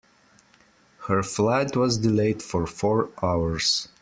Her flight was delayed for four hours.